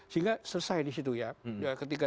sehingga selesai di situ ya ketika